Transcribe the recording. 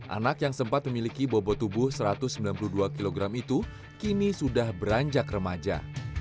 anak yang sempat memiliki bobot tubuh satu ratus sembilan puluh dua kg itu kini sudah beranjak remaja